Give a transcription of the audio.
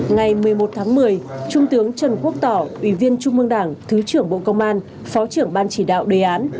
ngày một mươi một tháng một mươi trung tướng trần quốc tỏ ủy viên trung mương đảng thứ trưởng bộ công an phó trưởng ban chỉ đạo đề án